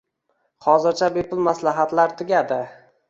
Hozircha bepul maslahatlar tugadi 😂😂😂